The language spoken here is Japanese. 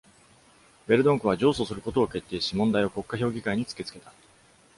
ヴェルドンクは上訴することを決定し、問題を国家評議会に突きつけた。